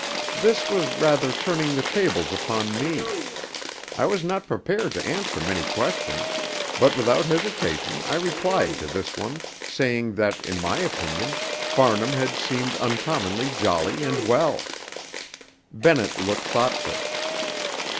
This was rather turning the tables upon me. I was not prepared to answer many questions, but without hesitation I replied to this one, saying that, in my opinion, Farnham had seemed uncommonly jolly and well. Bennett looked thoughtful.